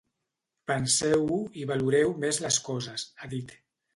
Penseu-ho i valoreu més les coses, ha dit.